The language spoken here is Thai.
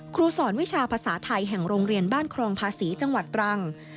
ครูสอนวิชาภาษาไทยแห่งโรงเรียนบ้านครองภาษีจังหวัดตรัง